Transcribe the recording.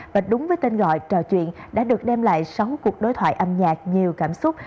và đúng với tên gọi trò chuyện đã được đem lại sáu cuộc đối thoại âm nhạc nhiều cảm xúc